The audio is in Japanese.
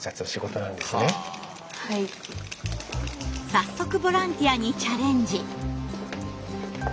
早速ボランティアにチャレンジ。